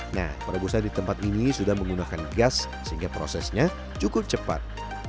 nah perebusan di tempat ini sudah menggunakan gas sehingga prosesnya cukup cepat